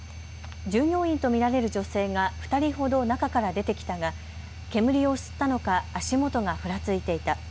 従業員と見られる女性が２人ほど中から出てきたが煙を吸ったのか足元がふらついていた。